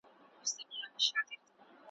درې واره له شيطان څخه پناه غوښتل.